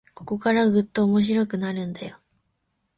ここからぐっと面白くなるんだよ